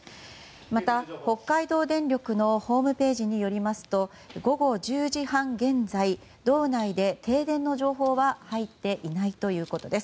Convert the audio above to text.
また、北海道電力のホームページによりますと午後１０時半現在道内で停電の情報は入っていないということです。